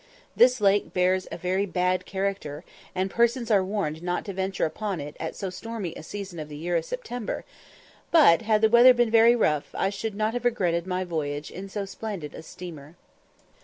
This lake bears a very bad character, and persons are warned not to venture upon it at so stormy a season of the year as September, but, had the weather been very rough, I should not have regretted my voyage in so splendid a steamer.